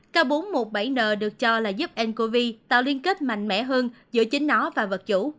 k bốn trăm một mươi bảy n được cho là giúp ncov tạo liên kết mạnh mẽ hơn giữa chính nó và vật chủ